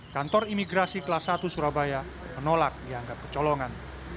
kantor imigrasi kelas satu surabaya menolak dianggap kecolongan